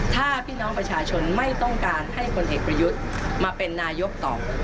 ถ้าพี่น้องประชาชนไม่ต้องการให้คนเอกประยุทธ์มาเป็นนายกต่อ